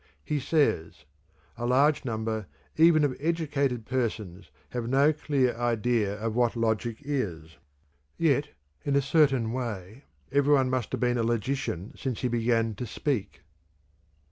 He says: "A large number even of educated persons have no clear idea of what logic is. Yet, in a certain way, every one must have been a logician since he began to speak."